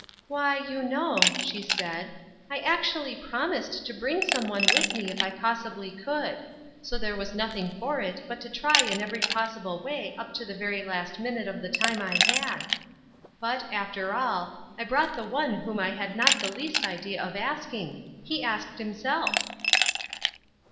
"Why, you know," she said, "I actually promised to bring some one with me if I possibly could; so there was nothing for it but to try in every possible way up to the very last minute of the time I had. But, after all, I brought the one whom I had not the least idea of asking; he asked himself."